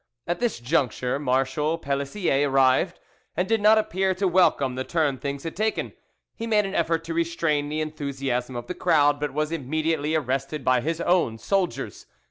At this juncture Marshal Pelissier arrived, and did not appear to welcome the turn things had taken; he made an effort to restrain the enthusiasm of the crowd, but was immediately arrested by his own soldiers.